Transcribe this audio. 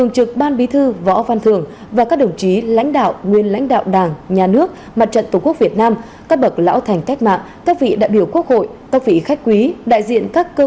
các bạn hãy đăng ký kênh để ủng hộ kênh của chúng mình nhé